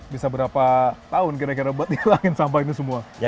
bisa berapa tahun kira kira buat ngilangin sampah ini semua